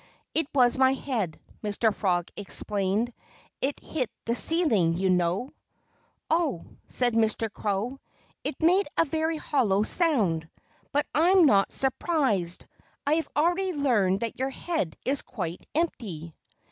"It was my head," Mr. Frog explained. "It hit the ceiling, you know." "Oh!" said Mr. Crow. "It made a very hollow sound. But I am not surprised. I have already learned that your head is quite empty."